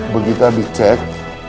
begitu abis cek